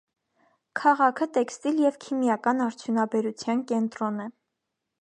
Քաղաքը տեքստիլ և քիմիական արդյունաբերության կենտրոն է։